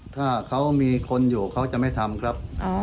ถ้าเขามีคนอยู่เขาจะไม่ทำครับ